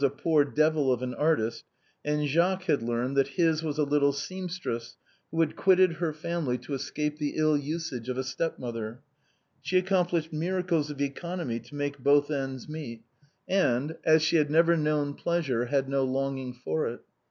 a poor devil of an artist, and Jacques had learned that his was a little seamstress who had quitted her family to escape the ill usage of a stepmother. She ac complished miracles of economy to make both ends meet, 226 THE BOHEMIANS OF THE LATIN QUARTER. and, as she had never known pleasure, had no longing for it.